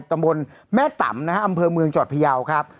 ตำบลแม่ต่ำอำเภอเมืองจอดพยาวครับ